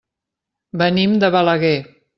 Venim de Balaguer.